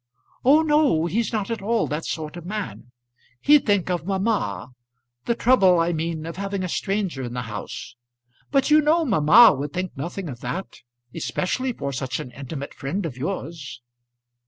"Oh no; he's not at all that sort of man. He'd think of mamma, the trouble I mean of having a stranger in the house. But you know mamma would think nothing of that, especially for such an intimate friend of yours."